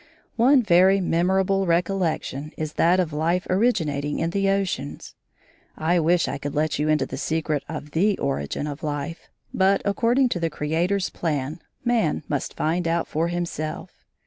One very memorable recollection is that of life originating in the oceans. I wish I could let you into the secret of the origin of life, but, according to the Creator's plan, man must find out for himself.